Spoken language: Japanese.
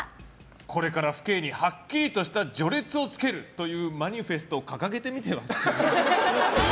これから父兄にはっきりとした序列をつけるというマニフェストを掲げてみては？